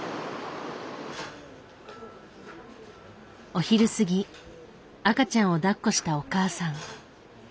お昼過ぎ赤ちゃんを抱っこしたお母さん。